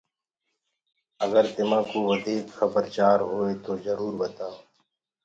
اگر تمآنٚ ڪوُ وڌيٚڪ کبر چآر هوئي تو جرور ٻتآيو